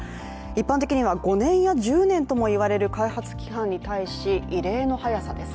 一般的には５年や１０年とも言われる開発期間に対し、異例の早さです。